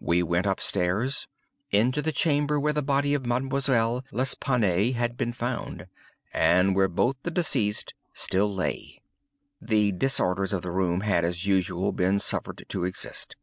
We went up stairs—into the chamber where the body of Mademoiselle L'Espanaye had been found, and where both the deceased still lay. The disorders of the room had, as usual, been suffered to exist.